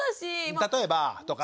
「例えば」とか。